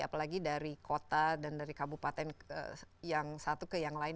apalagi dari kota dan dari kabupaten yang satu ke yang lain